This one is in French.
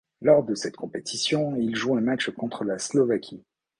Lors de cette compétition, il joue un match contre la Slovaquie.